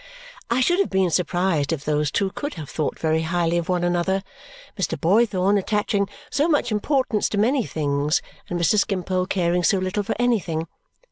I should have been surprised if those two could have thought very highly of one another, Mr. Boythorn attaching so much importance to many things and Mr. Skimpole caring so little for anything.